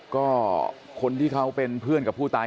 ก็คนที่เขาเป็นเพื่อนกับผู้ตาย